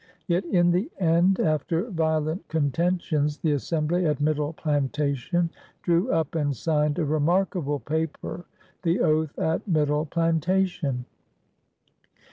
Yet in the end, after violent conten tions, the assembly at Middle Plantation drew up and signed a remarkable paper, the "Oath at Middle Plantation.'